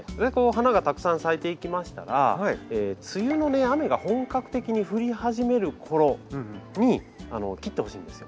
花がたくさん咲いていきましたら梅雨の雨が本格的に降り始める頃に切ってほしいんですよ。